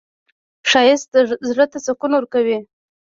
ښایست زړه ته سکون ورکوي